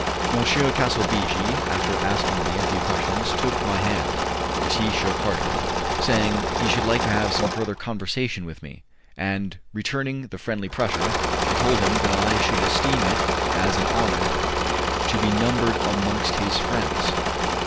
M. Calsabigi after asking me a few questions took my hand, which he shook heartily, saying he should like to have some further conversation with me; and returning the friendly pressure, I told him that I should esteem it as an honour to be numbered amongst his friends.